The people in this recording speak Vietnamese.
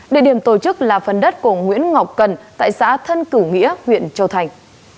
địa điểm tổ chức là phần đất của nguyễn ngọc cần tại xã thân cửu nghĩa huyện châu thành